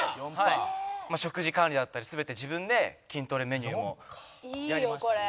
食事管理だったり全て自分で筋トレメニューも。いいよこれ！